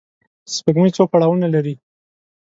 سپوږمۍ څو پړاوونه لري